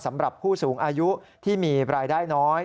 สำหรับผู้สูงอายุที่มีรายได้น้อย